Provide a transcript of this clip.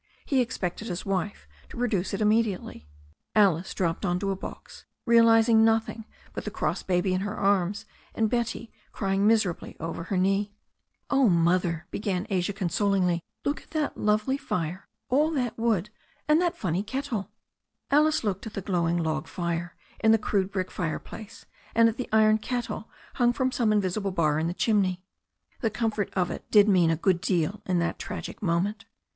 He expected his wife to produce it immediately. Alice dropped on to a box, realizing nothing but the cross baby in her arms and Betty crying miserably over her knee. THE STORY OF A NEW ZEALAND RIVER 23 "Oh, Mother," began Asia consolingly, "look at that lovely fire, all that wood, and that funny kettle." Alice looked into the glowing log fire in the crude brick fireplace, and at the iron kettle hung from some invisible bar up the chimney. The comfort of it did mean a good deal in that tragic moment.